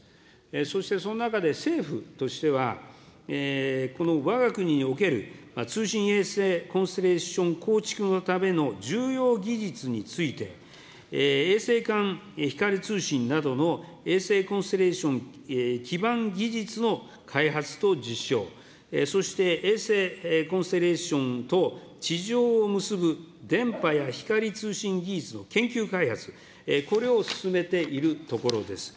そして、その中で政府としては、このわが国における通信衛星コンステレーション構築のための重要技術について、衛星間光通信などの衛星コンステレーション基盤技術の開発と実証、そして衛星コンステレーションと地上を結ぶ電波や光通信技術の研究開発、これを進めているところです。